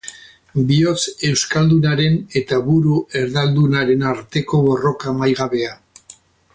Bihotz euskaldunaren eta buru erdaldunaren arteko borroka amaigabea.